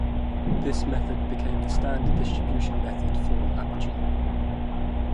This method became the standard distribution method for Apogee.